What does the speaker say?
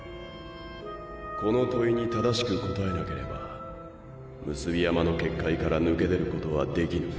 この問いに正しく答えなければ産霊山の結界から抜け出ることは出来ぬ！